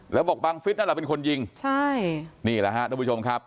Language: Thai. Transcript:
แล้วบอกบังฟิศนั่นแหละเป็นคนยิงใช่นี่แหละฮะทุกผู้ชมครับ